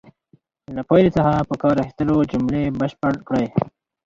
له پایلې څخه په کار اخیستلو جملې بشپړې کړئ.